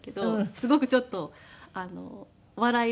すごくちょっと笑いもあって。